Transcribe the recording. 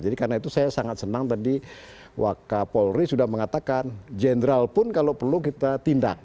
jadi karena itu saya sangat senang tadi wakka paul ri sudah mengatakan general pun kalau perlu kita tindak